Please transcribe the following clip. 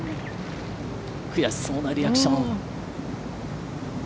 悔しそうなリアクション。